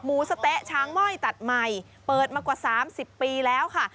สะเต๊ะช้างม่อยตัดใหม่เปิดมากว่า๓๐ปีแล้วค่ะ